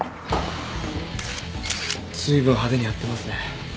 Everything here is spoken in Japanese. ずいぶん派手にやってますね。